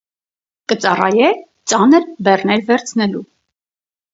Կը ծառայէ ծանր բեռներ վերցնելու։